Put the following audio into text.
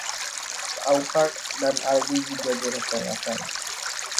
Aupark dan Aldi juga direncanakan.